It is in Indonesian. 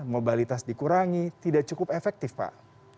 mobilitas dikurangi tidak cukup efektif pak